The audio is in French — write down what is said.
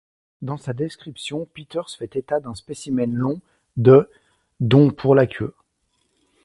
Dans sa description Peters fait état d'un spécimen long de dont pour la queue.